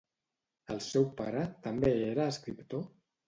El seu pare també era escriptor?